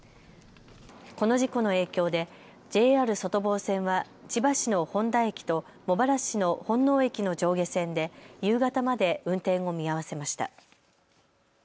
この事故の影響でＪＲ外房線は千葉市の誉田駅と茂原市の本納駅の上下線で夕方まで運転を見合わせました。